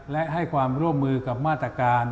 และให้ความร่วมมือกับมาตรการ